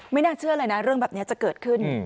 น่าเชื่อเลยนะเรื่องแบบนี้จะเกิดขึ้น